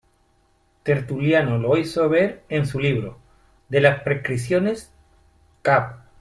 Tertuliano lo hizo ver en su libro "De las Prescripciones, cap.